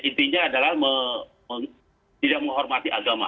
intinya adalah tidak menghormati agama